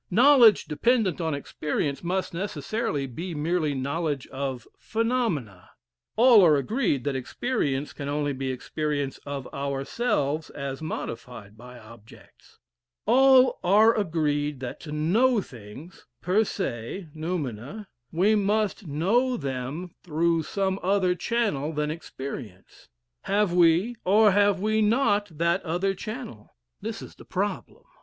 Knowledge dependent on experience must necessarily be merely knowledge of phenomena. All are agreed that experience can only be experience of ourselves as modified by objects. All are agreed that to know things per se noumena we must know them through some other channel then experience. Have we or have we not that other channel? This is the problem."